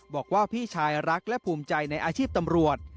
บอกว่าพี่ชายรักและภูมิใจในอาชีพตำรวจ